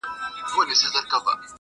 باد د غرونو غږ راوړي تل،